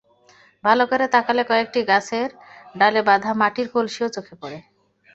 ভালো করে তাকালে কয়েকটি গাছের ডালে বাঁধা মাটির কলসিও চোখে পড়ে।